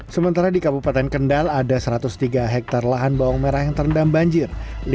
sementara di kabupaten kendal ada satu ratus tiga hektare lahan bawang merah yang terendam banjir